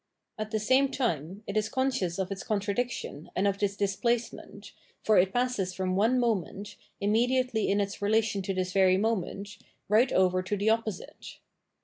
At the same time, it is conscious of its contradiction and of this displace ment, for it passes from one moment, immediately in its relation to this very moment, right over to the oppo site.